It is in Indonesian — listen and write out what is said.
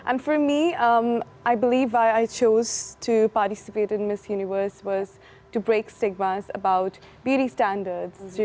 dan bagi saya saya memikirkan untuk berpartisipasi di miss universe adalah untuk membebaskan stigma tentang standar kecantikan